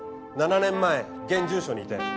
７年前現住所に移転。